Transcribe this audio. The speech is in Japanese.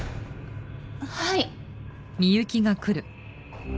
はい。